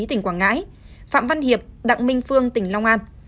tỉnh quảng ngãi phạm văn hiệp đặng minh phương tỉnh long an